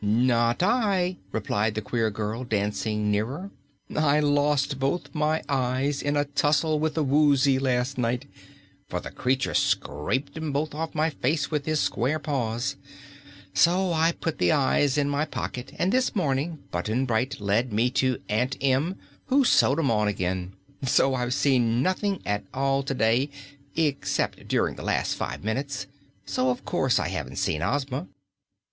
"Not I!" replied the queer girl, dancing nearer. "I lost both my eyes in a tussle with the Woozy last night, for the creature scraped 'em both off my face with his square paws. So I put the eyes in my pocket, and this morning Button Bright led me to Aunt Em, who sewed 'em on again. So I've seen nothing at all today, except during the last five minutes. So of course I haven't seen Ozma."